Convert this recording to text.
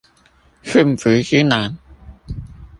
馴服之難